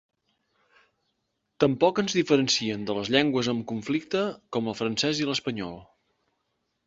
Tampoc ens diferencien de les llengües amb conflicte, com el francès i l’espanyol.